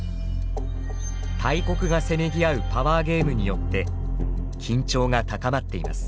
大国がせめぎ合うパワーゲームによって緊張が高まっています。